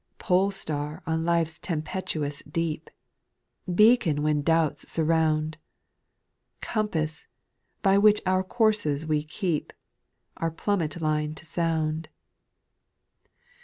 4. Pole star on life's tempestuous deep I Beacon when doubts surround ; Compass ! by which our course we keep ; Our plummet line to sound